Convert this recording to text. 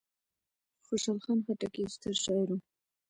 خوشحال خان خټک یو ستر شاعر و.